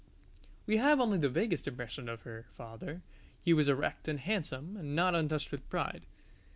We have only the vaguest impression of her father: he was erect and handsome and not untouched with pride.